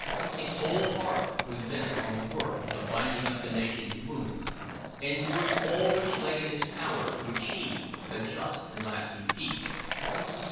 His whole heart was bent on the work of "binding up the nation's wounds" and doing all which lay in his power to "achieve a just and lasting peace."